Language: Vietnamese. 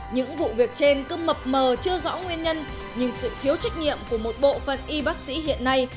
những vụ việc trên cứ mập mờ chưa rõ nguyên nhân nhưng sự thiếu trách nhiệm của một bộ phận y bác sĩ hiện nay